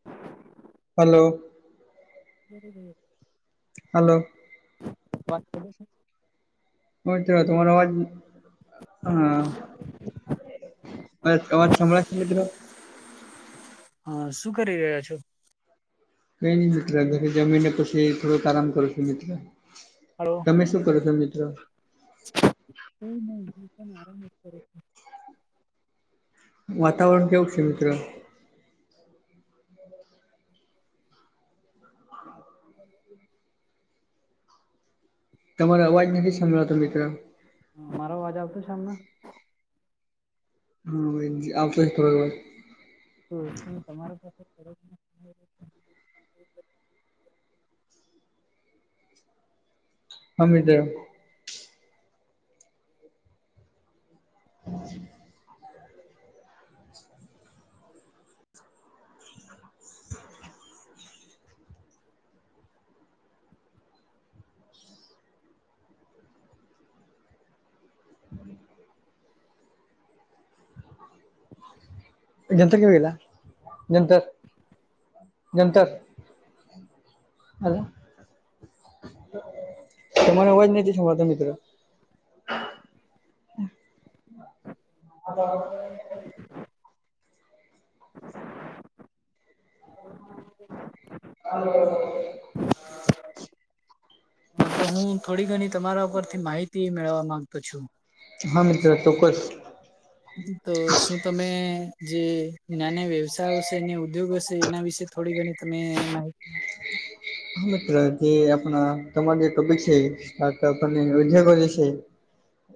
હ [inaudible] હલો. બર જર [inaudible] હલો. વા [inaudible] હ તો તમારો આવાજ હા બસ અવાજ સંભળાય છે મિત્રો. હા શું કરી રહ્યા છો. કઈ નઈ મિત્ર ઘરે જમીને પછી થોડુક આરામ કરું છું મિત્ર. હલો. તમે શું કરો છો મિત્ર. કાઈ નઈ હું પણ આરામ કરો. વાતાવરણ કેવું છે મિત્ર. તમારો અવાજ નથી સાભળાતો મિત્ર. અ મારો અવાજ આવતો સામને. હા આવતો તો આવાજ. તો પણ તમારી સાથે [inaudible] હીદ હ [inaudible] જંતર કેવીલા જંતર જંતર. હલો. તમારો અવાજ નથી સંભળાતો મિત્ર- - [inaudible] હાલો. [inaudible] હું થોડી ઘણી તમારા ઉપરથી માહિતી મેળવા માંગતો છું? હા મિત્ર ચોકકસ- - તો શું તમે જે નાના વ્યવસાય હશે ઉદ્યોગ હશે એના વિશે થોડી ઘણી- - તમે માહિતી- - હા મિત્ર જે આપણા તમાર જે ટોપિક છે સ્ટાર્ટઅપ અને ઉદ્યોગો જે છે.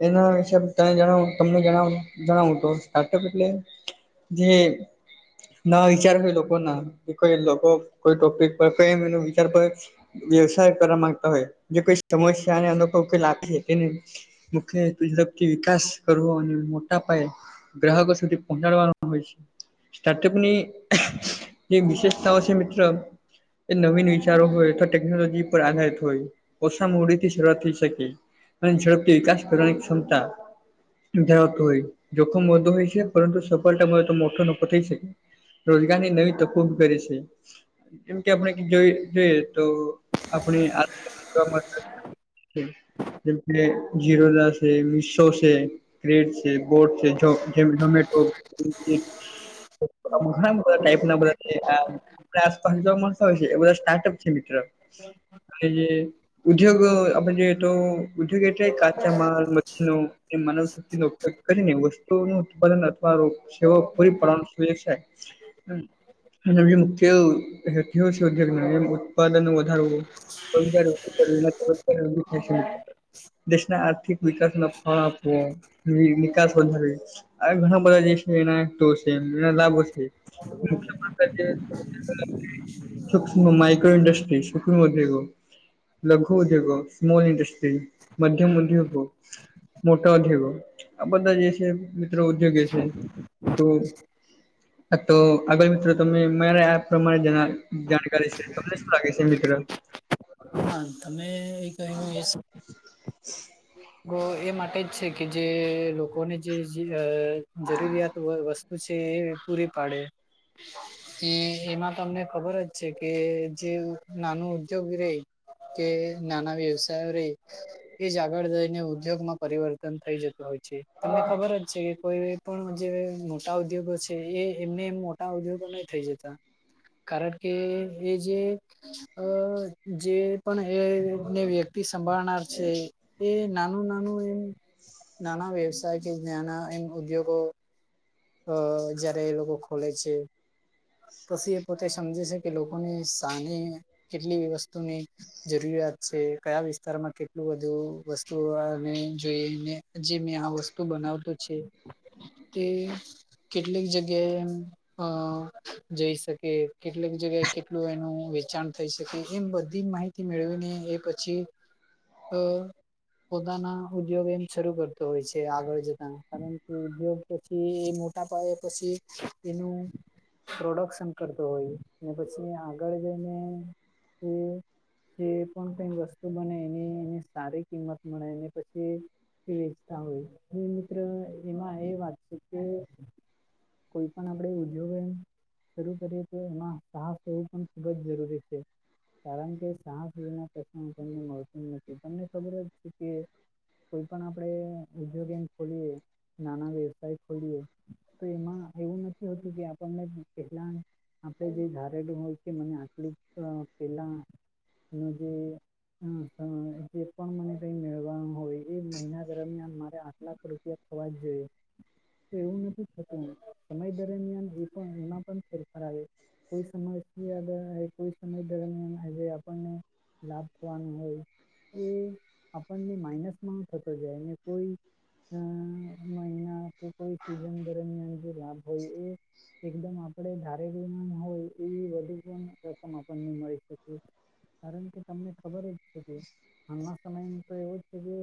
એના વિશે તમને જણાવુ તમને જણાવું જણાવુ તો સ્ટાર્ટઅપ એટલે- - જે- - ના વિચાર હો લોકો ના ઇ લોકો કોઈ ટોપિક પર કઈમ એ- - તયાપર વ્યવસાય કરવા માંગતા હોય જે કોઈ સમસ્યા અને અનોખ કોઈ લાગે છે તે ન- - મુખય ઝડપથી વિકાસ કરવો અને મોટા પાયે- - ગ્રાહકો સુધી પહોંચાડવાનું હોય છે. સ્ટાર્ટઅપની જે એ વિશેષતાઓ છે મિત્ર એ નવીન- - તારો હોય તો ટેકનોલોજી પર આધારિત હોય ઓછા મૂડી થી શરૂઆત થઈ શકે. અને ઝડપથી વિકાસ કરવાની ક્ષમતા- - ધરાવતું હોય જોખમ વધુ હોય છે પરંતુ સફળતા તો મોટો નફો થઈ શકે. રોજગારની નવી તકો ઊભી કરે છે એમ કે આપણે જો- - હે તો આપણી આ- - જેમ કે જીરોલા છે મીસો છે. ગ્રેડ છે બોર્ડ છે ચોક છે- - ઘણા બધા ટાઈપ ના બધા આપ આસપાસવા મળતા હોય છે બધા સ- - ટપ છે મિત્ર અને જે- - ઉદ્યોગ આપણ જે તો ઉદ્યોગ એટલે કાચ માલ મછીનો- - એ માનવ શક્તિ નો ઉપયોગ કરીને વસ્તુ નું ઉત્પાદન અથવા- - સેવા પૂરી પાલનાય- - નવી મુખ્યથી છે ઉ નવી- - ઉત્પાદન નું વધારવ થિત- - દેશના આર્થિક વિકાસમાં ફળ આપવો નિકાસ વધારે- - આ ઘણા બધા જે છે એના છેના લાભો છે. મુખ્ય [unintelligible] શુ માઇક્રો ન્ડાસ્ટ્રી શુંખ વધી ગયુ- - લઘુ ઉદ્યોગો સ્મોલ ન્ડસ્ટ્રી મધ્યમ ઉદ્યોગો- - મોટા ઉદ્યોગો આ બધા જે છે મિત્રો ઉદ્યોગ છે તો- - તો આગળ મિત્રો તમે મારા આ પ્રમાણે જાણકારી છે. તમને શું લાગે છે મિત્ર? હા તમે કહો એક- - [inaudible] એ માટે જ છે કે જે લોકોને જે જરૂરિયાત વસ્તુ- - પછી એ પૂરી પાડે- - એ એમાં તમને ખબર જ છે કે જે નાનું ઉદ્યોગ રે- - કે નાના વ્યવસાય રહી એ જ આગળ- - ઉદ્યોગ માં પરિવર્તન થઈ જતું હોય છે તમને ખબર જ છે. કોઈ પણ જે મોટા ઉદ્યોગો છે એ એમને એમ મોટા ઉદ્યોગો નહી થઈ જતા. કારણ કે એ જે- - અ જે પણ એને વ્યક્- - સંભાળનાર છે એ નાનું નાનું એમ નાના વ્યવસાય- - કે જના એન ઉદ્યોગો- - અ જયારે એ લોકો ખોલે છે. પછી એ પોતે સમજે છે કે લોકોને શાને કેટલી વસ્તુની જરૂરિયાત કયા વિસ્તારમાં કેટલું બધું વસ્તુ જોઈ જે મેં આ વસ્તુ. બનાવતો છે તે કેટલીક જગ્યાએ એમ અ જઈ શકે કેટલીક જગ્યાએ કેટલું એનું વેચાણ થઈ શકે એમ બધી માહિતી. થી મેળવીને એ પછી તો પોતાના ઉદ્યોગ એમ શરૂ કરતો હોય છે આગળ જતા કારણ કે ઉદ્યોગ પછી એ નાા પાએ પછી હીનું. પ્રોડક્શન કરતો હોય ને પછી આગળ જઈને એ જે પણ કઈ વસ્તુ બને એની એની સારી કિંમત મળે એ પછી. વેચતા હોય મિત્ર એમાં એ વાત છે કે. કોઈ પણ આપડે ઉદ્યોગ. શરૂ કરીએ તો એમાં સાહસ લવું પણ ખુબ જ જરૂરી છે. કારણ કે સાહસનાત નથી તમને ખબર જ છે કે. કોઈ પણ આપણેે ઉદ્યોગ એ ખોલીએ નાના વ્યવસાય ખોલીએ. તો એમાં એવું નથી હોતું કે આપણને પહેલા આપણે જે ધારેલું હોય કે મને આટલી પેલા નું જે. હ જે પણ મને ક મેળવાનું હોય એ મહિના દરમિયાન મારે આઠ લાખ રૂપિયા. થવા જ જોઈએ તો એવું. સમય દરમિયાન એ પણ એમાં પણ ફેરફાર આવે કોઈ સમય આગ કોઈ સમય દરમિયાન આજે આપણને લાભ થવાનું હોય. એ આપણને માઇનસમાં. થતી જાય કોઈ મહિના કે કોઈ ન દરમિયાન જે લાભ હોય એ એકદમ આપણે ધારે રનામ હોય એવી વધુ પણ. [unintelligible] કારણ કે તમને ખબર જ છે કે આમા સમય તો એવો છે કે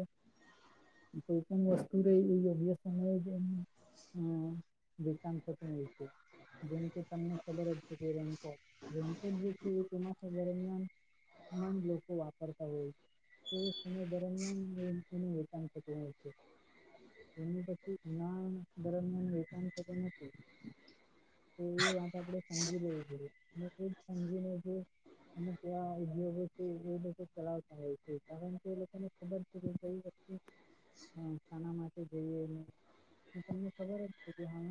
કોઈ પણ વસ્તુ રહી અય સમય જ એનો હમ્મ. વૃતંગ શત છે. જેમકે સામને ખબર જ [unintelligible] ચોમાસા દરમિયાન મન લોકો વાપરતા હોય તે સમય દરમિયાન વેકતી નુ વેચાણ થતું હોય છે. એની પછી ના દરમિયાન વેચાણ થતું નથી તો એ વાત આપણે સમજી લેવી છે. [unintelligible] સમજી ને જે અનેવા ઉદ્યોગો છે એ બધા ચલાવતા હોય છે કારણ કે એ લોકોને ખબર છે કે હા શાના માટે જોઈએ ને તમને ખબર જ છે કે હા.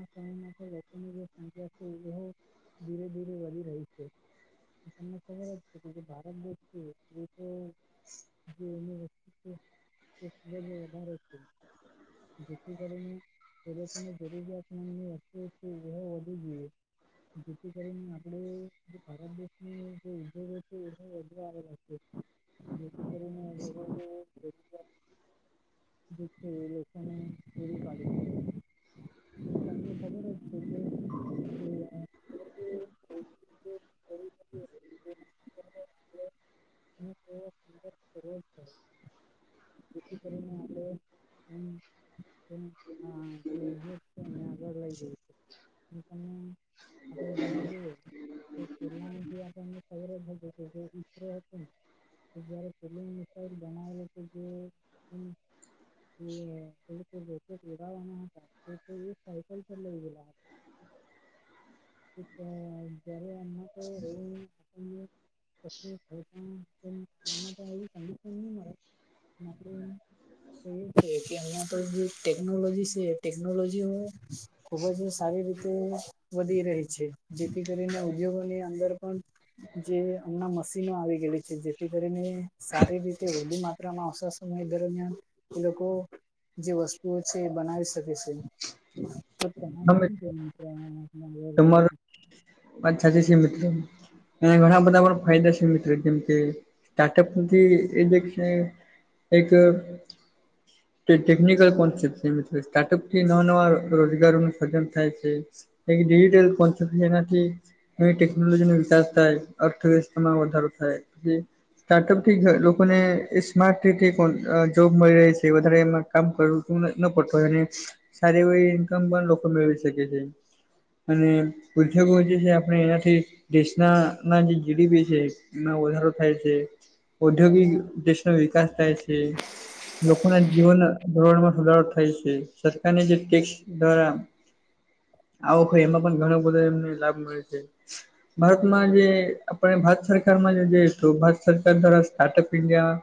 એ ધીરે ધીરે વધી રહી છે તમને ખબર જ છે કે જે ભારત દેશ છે એ તો [inaudible] જે એની વસ્તી છે એ વધારે છે જેથી કરીને જે લોકોની જરૂરિયાત એ વધુ જોઈએ જેથી કરીને આપણે ભારત દેશ જે ઉદ્યોગો છે એ વધુ આવેલા છે [unintelligible] તેને એવી વા [unintelligible] ખબર જ છે કે [unintelligible] આપણે એમ જે આગળ લઈ [unintelligible] આપણે જોવા જોયું પેલા [unintelligible] હતો ને જયારે [unintelligible] જે એ પરાવાના હતા તે તે એક સાયકલ પર લઈ ગયો [unintelligible] જ્યારે આપણે [unintelligible] [unintelligible] આપણે તો અહીંયા તો જે ટેકનોલોજી છે એ ટેકનોલોજીનુ ખુબ જ સારી રીતે વધી રહી છે જેથી કરીને ઉદ્યોગોની અંદર પણ જે હમણાં મશીનો આવી ગયલી છે જેથી કરીને સારી રીતે હોલી માત્રામાં આવસાન સમય દરમિયાન એ લોકો જે વસ્તુઓ છે એ બનાવી શકે છે તો તમારે મિત્ર [unintelligible] [unintelligible] અચ્છા જે સીમેંટ એના ઘણા બધા પણ ફાયદા છે મિત્રો જેમ કે સ્ટાર્ટઅપથી એ જગ્યાએ એક અ તે ટેકનિકલ કોસેપ છે મિત્રો સ્ટાર્ટઅપથી નવા નવા રોજગારો ન સર્જન થાય છે. તે ડેવિડલ કોન્સ્ટેપ જેના છે ટેકનોલોજી નો વિકાસ થાય અર્થવ્યવસ્થામાં વધારો થાય એ સ્ટાર્ટઅપથી જ લોકોને એ સ્માર્ટ રીતે જોબ મળી રહે છે વધારે એમાં કામ કરવું ઉ ન પર સારી એવી ઇન્કમ પણ લોકો મેળવી શકે છે. અને ઉદ્યોગો જે છે આપણે એનાથી દેશના ના જે જીડીપી છે એમાં વધારો થાય છે. ઔદ્યોગિક દેશ નું વિકાસ થાય છે. લોકો ના જીવન ધોરણમાં સુધારો થાય છે સરકારની જે ટેક્સ દ્વારા આવો ખે એમાં પણ ઘણો બધો એમને લાભ મળે છે ભારતમાં જે આપડે ભારત ભારત સરકારમાં જે ભારત સરકાર દ્વારા startup India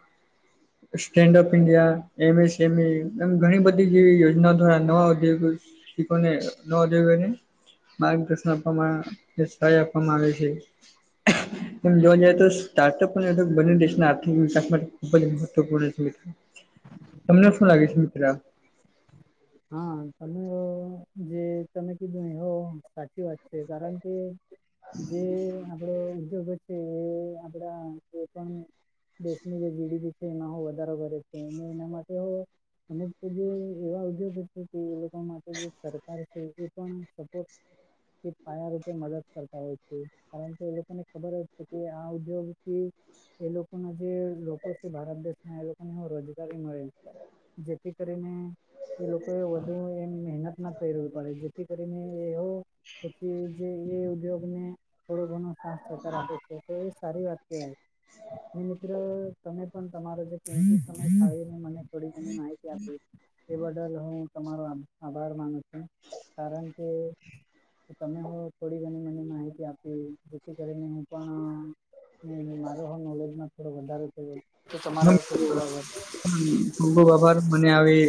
standup India, M S એમલી એમ ઘણી બધી જેવી યોજના દ્વારા નવા ઉદ્યોગો ઠીકને ન દેવેને માર્ગદર્શન આપવામાં અસ્થાયી આપવામાં આવે છે. એ જોવા જઈએ તો સ્ટાર્ટઅપ પણ એ તો બંને દેશના આર્થિક વિકાસ માટે ખુબજ મહત્વપૂર્ણ છે. તમને શું લાગે છે મિત્રા? હા તમે જે તમે કીધું ને એ સાચી વાત છે, કારણ કે જે આપડે ઉદ્યોગ છે, એ આપડા કોઇ પણ દેશની જે જી ડી બી છે એમાંહો વધારો કરે છે, અને એના માટે કારણકે જે એવા ઉદ્યોગ છે, કે એ લોકો માટે જે સરકાર છે એ પણ સપોર્ટ એ પાયા રૂપે મદદ કરતા હોય છે, કારણ કે એ લોકોને ખબર જ છે કે આ ઉદ્યોગથી એ લોકો ના જે લોકો છે, ભારત દેશ ના એ લોકોને હ રોજગારી મળે છે. જેથી કરીને એ લોકો એ વધુ એમ મહેનત ના કરવી પડે, જેથી કરીને એહો પછી એ જે એ ઉદ્યોગને થોડો ઘણો સાસ સહકાર આપે છે, તો એ સારી વાત કહેવાય, અને મિત્ર તમે પણ તમારો જે કીમતી સમય કાઢીને મને થોડી ગણી માહિતી આપી. એ બડલ હું તમારો આભાર માનું છું, કારણ કે તમે હું થોડી ઘણી મને માહિતી આપી, જેથી કરીને હું પણ હમ્મ હમ્મ, મારો હો નોલેજમાં થોડો વધારો થયો, તો તમારો ખુબ ખુબ આભાર. ખૂબ ખૂબ બભાર મને આવી